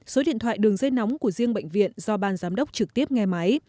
số điện thoại đường dây nóng của riêng bệnh viện do ban giám đốc trực tiếp nghe máy